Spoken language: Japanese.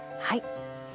はい。